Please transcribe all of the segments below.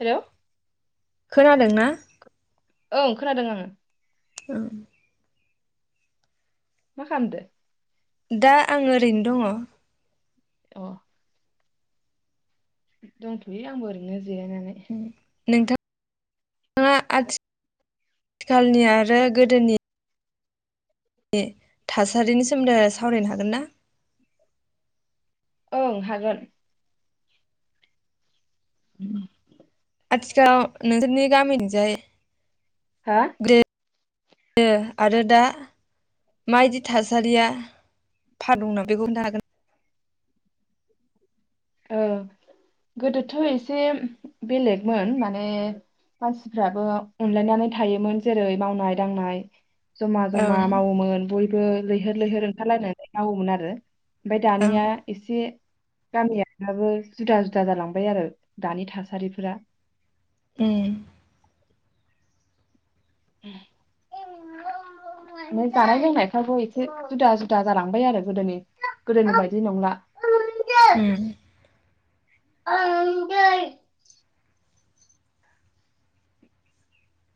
Hello खोनादोंना? ओं खोनादों ओं। ओं मा खालामदो? दा आं ओरैनो दङ। अ। दंथयो आंबो ओरैनो। जिरायनानै। ङा आथि खालनि आरो गोदोनि [unintelligible] थासारिनि सोमोन्दै सावरायनो हागोन ना? ओं हागोन। [unintelligible] आथिखालाव नोंसोरनि गामिनिजाय हा? गोदो आरो दा माबायदि थासारिया फा दंना बेखौ होननो हागोन? औ गोदोथ एसे बेलेगमोन माने मानसिफ्राबो अनलायनानै थायोमोन जोरै मावनाय दांनाय जमा जमा हागोन मावोमोन बयबो। लैहोर लैहोर ओंखारलायनानै मावोमोन आरो। ओमफाय ओं ओं दानिया एसे गामिया दाबो जुदा जुदा जालांबाय आरो दानि थासारिफोरा। ए [unintelligible] ओमफाय जानाय लोंनायफ्राबो एसे जुदा जुदा जालांबाय आरो गोदोनि गोदोनि बायदि नंला। उम [unintelligible]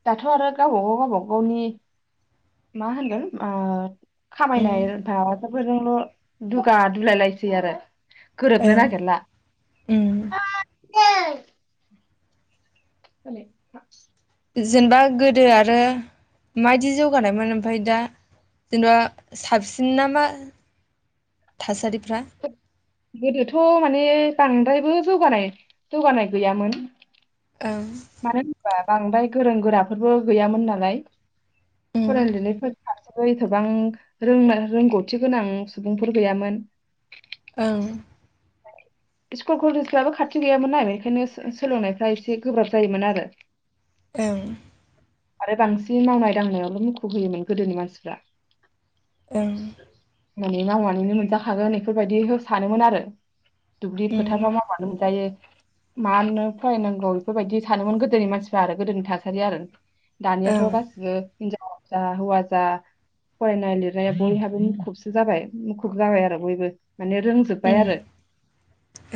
दाथ आरो गावबागाव गावबा गावनि मा होनो आ उम खामायनाय [unintelligible] बेफोरजोंल दुगा दुलाय लायसै आरो। गोरोबनो ओं नागेरला। [unintelligible] उम [unintelligible] [unintelligible] जेनेबा गोदो आरो माबायदि जौगानायमोन ओमफाय दा जेनेबा साबसिन नामा थासारिफ्रा? गोदोथ माने बांद्रायबो जौगानाय जौगानाय गैयामोन। ओं मानो होनबा बांद्राय गोरों गोराफोरबो गैयामोन नालाय। उम फरायनाय लिरनायफोर फारसेबो एथबां रोंनो रोंगौथि गोनां सुबुंफोर गैयामोन। ओं स्कुल कलेजफ्राबो खाथि गैयामोन ना बेखायनो सो-सोलोंनायफ्रा एसे गोब्राब जायोमोन आरो। ओं आरो बांसिन मावनाय दांनायावल मुखुब होयोमोन गोदोनि मानसिफ्रा। ओं माने मावनानैनो मोनजाखागोन बेफोरबायदि हो सानोमोन आरो। दुब्लि होमबाथ' फोथाराव मावबानो मोनजायो। मानो फरायनांगौ बेफोरबायदि सानोमोन गोदोनि मानसिफ्रा आरो गोदोनि थासारि आरो। दानियाथ गासिबो हिनजावजा हौवाजा फरायनाय लिरनायाव बयहाबो मुखुबसो जाबाय मुखुब जाबाय आरो बयबो। माने रोंजोबबाय आरो।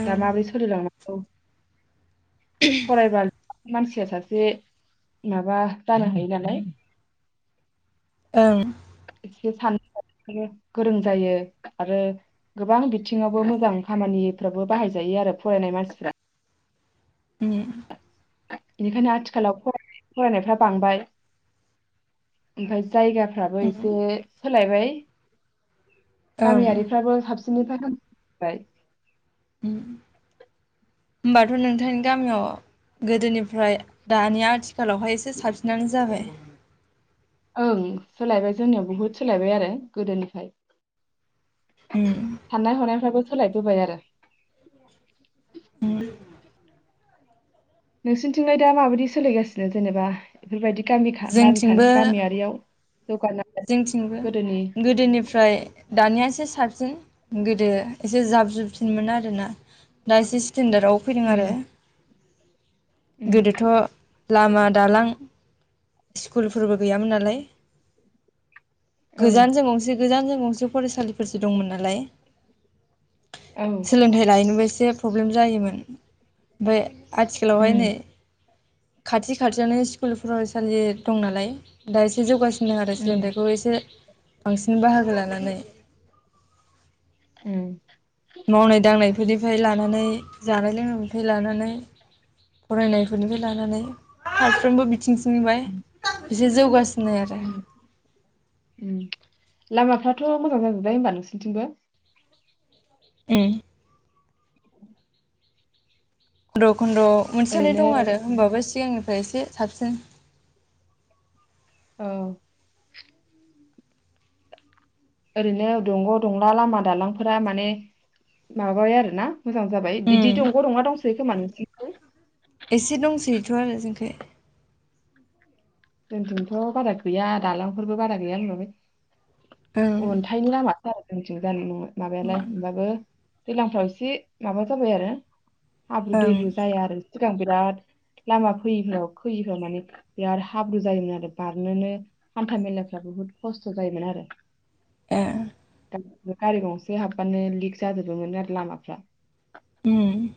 दा माब्रै सोलि लांनांग औ फरायबाल मानसिया सासे माबा जानो हायो नालाय। ओं एसे साननो हनोबो गोरों जायो आरो गोबां बिथिङावबो मोजां खामानिफ्राबो बाहायजायो आरो फरायनाय मानसिफ्रा। उम बेनिखायनो आथिखालाव फरायनाय फरायनायफ्रा बांबाय ओमफाय जायगाफ्राबो एसे होलाय बाय। गामियारिफ्राबो हाब [unintelligible] होमबाथ नोंथांनि गामियाव गोदोनिफ्राय दानि आथिखालावहाय एसे साबसिनानो जाबाय। ओं सोलायबाय जोंनियाव बुहुद सोलायबाय आरो गोदोनिफ्राय। उम साननाय हनायफ्राबो सोलाय बोबाय आरो। [unintelligible] नोंसिनिथिंलाय दा माबायदि सोलिगासिनो जेनेबा? बेफोरबायदि गामि खा- गामि जोंथिंबो खान्थि गामियारियाव जौगानाय जोंथिंबो गोदोनि गोदोनिफ्राय दानियासो साबसिन गोदो एसे जाब जुबसिनमोन आरोना दा एसे सिनदाराव फैदों उम आरो। उम गोदोथ लामा दालां स्कुलफोरबो गैयामोन नालाय। औ गोजानजों गंसे गोजान जों गंसे फरायसालि फोरसो दंमोन नालाय औ सोलोंथाइ लायनोबो एसे एसे प्रब्लेम जायोमोन बे आथिखालावहाय उम नै खाथि खाथियावनो स्कुल फरायसा लि दं नालाय दा एसे जौगासि नाथाय उम सोलोंथाइखौ एसे बांसिन बि बाहागो लानानै। उम मावनाय दांनायफोरनिफ्राय लानानै जानाय लोंनायनिफ्राय लानानै फरायनायफोरनिफ्राय लानानै साफ्रोमबो बिथिं निबाय बिसोर जौगासि उम उम। लामाफ्राथ मोजां जाजोब्बाय होमबा नोंसोरनिथिंबो? उम [unintelligible] खन्द मोनसे मोननै ओरैनो दं आरो होनोमबाबो सिगां एसे साबसिन। औ। ओरैनो दंग दंला लामा दालांफोरा माने माबायो आरो ना? मोजां जाबाय बिदि उम दंग दंला दंसोयो सोयो खोमा नोंसोरनिथिं। एसे दंसोयोथ आरो जोंखोय। जोंनिथिंथ बारा गैया दालांफोरबो बारा गैया होनांबाय। ओं अन्थाइनि लामा [unintelligible] माबायालाय ओं होमबाबो दैज्लांफ्राव एसे माबा जाबाय आरो हाब्रु ओं दैब्रु जाया आरो सिगां बिराद लामा फैयिफोराव खैयैफोराव माने बिराद हाब्रु जायोमोन आरो बारनोनो हान्था मेलाफ्रा बुहुद खस्थ जायोमोन आरो ए गारि गंसे हाबबानो लिक जाजोबोमोन आरो लामाफ्रा। उम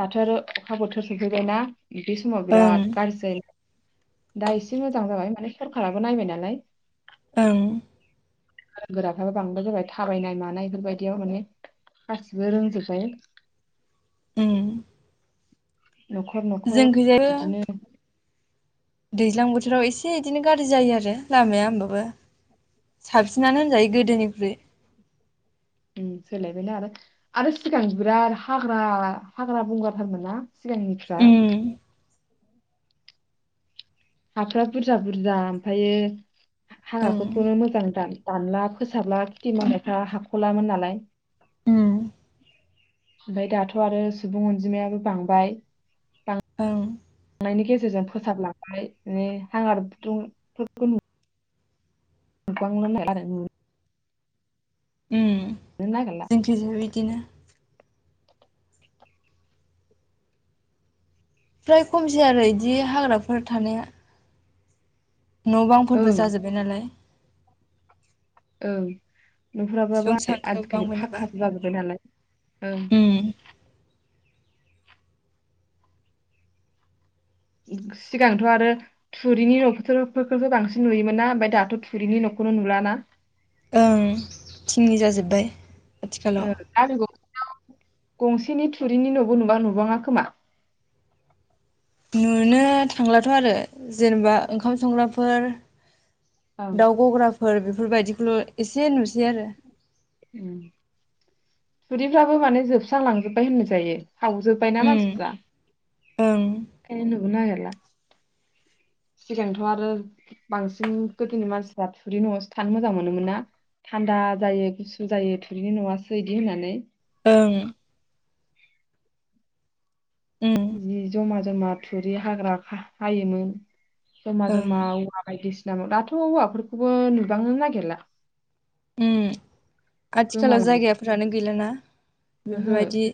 दाथ आरो अखा बोथोर सफैबाय ना बिदि समाव ओं बिराद गारजि जायो। दा एसे मोजां जाबाय माने सरखाराबो नायबाय नालाय। ओं गोरों गोराफ्राबो बांद्राय जाबाय थाबायनाय मानाय बेफोरबायदियाव माने गासिबो रोंजोब्बाय। उम नखर नखर जोंखैजायबो इदिनो दैज्लां बोथोराव एसे इदिनो गाज्रि जायो आरो लामाया होमबाबो साबसिनानो होनजायो गोदोनिख्रुइ। उम सोलायबायना आरो आरो सिगां बिराद हाग्रा हाग्रा बंग्रा थारमोन ना? सिगांनिफ्रा उम हाफोरा बुरजा बुरजा ओमफ्रायो ओं हागराफोरखौनो मोजां दान दानला फोसाबला खेथि मावनायफ्रा हाखलामोन नालाय। उम ओमफ्राय दाथ आरो सुबुं अनजिमायाबो बांबाय [unintelligible] ओं बांनायनि गेजेरजों फोसाबलांनानै माने हारा बुदुंफोरखौ नु [unintelligible] उम नागिरनो नागिरला जोंथिजोंबो बिदिनो। फ्राय खमसै आरो इदि हाग्राफोर थानाया। न बांफोरबो ओं जाजोब्बाय नालाय। ओं नुहुराबाबो सुबुं सानखो आजिखालि बांबाय नालाय फाखक्कानि जाजोब्बाय नालाय ओं उम सिगांथ आरो थुरिनि नखोथ फोरखौथ बांसिन नुयोमोन ना ओमफ्राय दाथ थुरिनि नखौनो नुलाना। ओं थिंनि जाजोब्बाय ओ आथिखालाव [unintelligible] औ गंसेनि थुरिनि नबो नुबा नुबाङा खोमा। नुनो थांलाथ आरो जेनेबा ओंखाम संग्राफोर ओं दाउ गग्राफोर बेफोरबायदिखौल एसे नुसै आरो थुरैफ्राबो माने जोबस्रां लांजोबबाय होननाय जायो। सावजोब्बायना उम मानसिफ्रा। ओं थैनोबो नायगेरला। सिगांथ आरो बांसिन गोदोनि मानसिफ्रा थुरि नआवसो थानो मोजां मोनोमोन ना थान्दा जायो गुसु जायो थुरिनि नआसो बिदि होननानै। ओं उम जि जमा जमा थुरि हाग्रा हा-हायोमोन। जमा ओं जमा हौवा बायदिसि दाथ हौवाफोरखौबो नुबांनो नागिरला। उम आथिखालाव गोमालांबाय जायगाफोरानो गैलाना ओहो बेफोरबायदि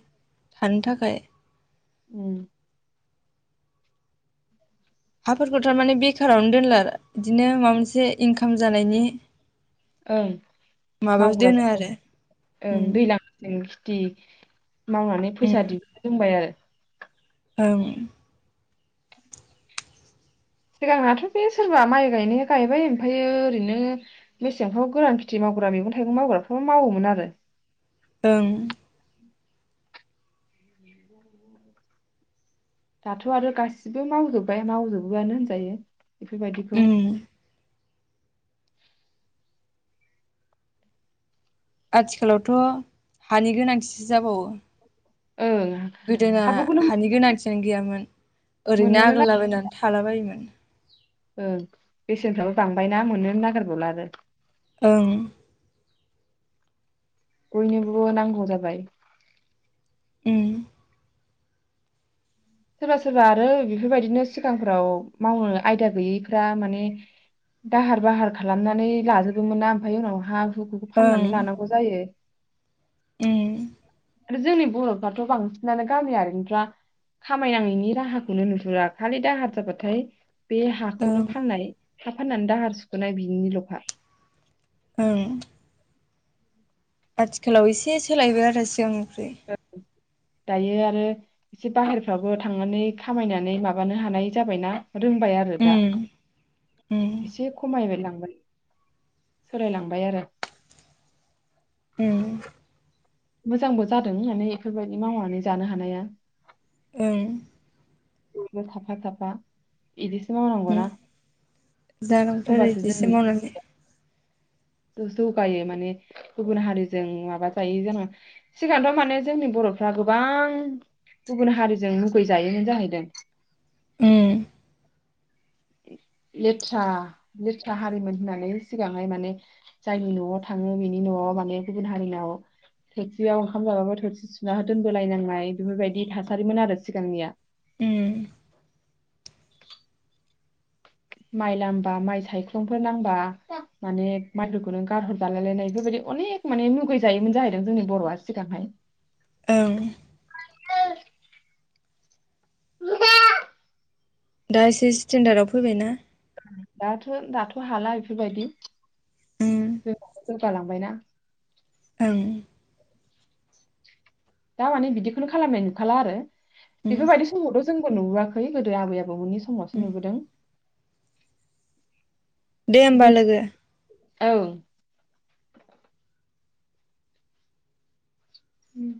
थानो थाखाय। उम हाफोरखौ थारमाने बेखारावनो दोनला बिदिनो माबा मोनसे इनकाम जानायनि ओं माबायाव मावग्रा दोनो आरो जाबाय उम ओं दैज्लांसिम। दि। मावनानै उम फैसा दिहुननो रोंबाय आरो। ओं सिगांनाथ' बे सोरबा माइ गायनाया गायबाय ओमफायो ओरैनो मेसेंफ्राव गोरान खेथि मावग्रा मैगं थाइगं मावग्राफ्रा मावोमोन आरो ओं दाथ' आरो गासिबो मावजोबबाय मावजोबोआनो होनजायो बेफोरबायदिखौ उम आथिखालावथ' हानि गोनांथिसो जाबावो ओं गोदोना हाफोरखौनो हानि गोनांथि आनो गैयामोन ओरैनो मोननोनो ना आग्लायला बायनानै थालाबायोमोन ओं बेसेनफ्राबो बांबायना मोननोनो नागिरबावला आरो ओं बयनोबो नांगौ जाबाय उम सोरबा सोरबा आरो बेफोरबायदिनो सिगांफ्राव मावनो आयदा गैयैफ्रा माने दाहार बाहार खालामनानै लाजोबोमोन ना ओमफाय उनाव हा [unintelligible] ओं फाननानै लानांगौ जायो उम आरो जोंनि बर'फ्राथ बांसिनानो गामियारिनिफ्रा खामायनाङैनि राहाखौनो नुहुरा खालि दाहार जाबाथाय बे हाखौनो ओं फाननाय हा फाननानै दाहार सुखोनाय बिनिल'खा ओं आथिखालाव एसे सोलायबाय आरो सिगांनि फ्राय दायो आरो एसे बाहेरफ्रावबो थांनानै खामायनानै माबानो हानाय जाबायना रोंबाय आरो दा उम उम एसे खमायबायलांबाय सोलायलांबाय आरो उम मोजांबो जादों माने एफोरबायदि मावनानै जानो हानाया उम बयबो थाफा थाफा इदिसो मावनांगौना जागोन थ' आरो होमबासो जोंनि इदिसो मावनानै जौगायो माने गुबुन हारिजों माबा जायो जोङो सिगांथ' माने जोंनि बर'फ्रा गोबां गुबुन हारिजों मुगैजायोमोन जाहैदों उम लेथ्रा लेथ्रा हारिमोन होननानै सिगांहाय माने जायनि न'आव थाङो बेनि न'आव माने गुबुन हारिनाव थोरसियाव ओंखाम जाबाबो थोरसि सुना हो दोनबोलायनांनाय बेफोरबायदि थासारिमोन आरो सिगांनिया उम माइ लामबा माइ सायख्लंफोर नांबा माने माइफोरखौ नों गारहरजालाय लायनाय बेफोरबायदि अनेक माने मुगै जायोमोन जाहैदों जोंनि बर'आ सिगांहाय ओं [unintelligible] दा एसे स्टेेनडार्डआव फैबायना दाथ' दाथ' हाला एफोरबायदि उम जोंहाबो जौगालांबायना ओं दा माने बिदिखौनो खालामनाय नुखाला आरो उम बेफोरबायदि समावथ' जोंबो नुबोआखै गोदो आबै आबौमोननि समावसो उम नुबोदों दे होमबा जों लोगो ओं उम